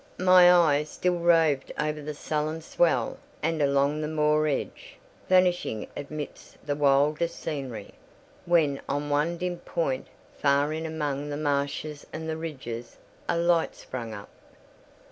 My eye still roved over the sullen swell and along the moor edge, vanishing amidst the wildest scenery, when at one dim point, far in among the marshes and the ridges, a light sprang up.